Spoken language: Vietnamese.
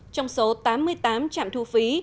trong số tám mươi tám trạm thu phí